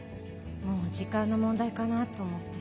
もう時間の問題かなと思って。